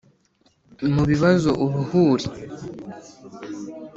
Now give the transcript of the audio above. Mu bibazo uruhuri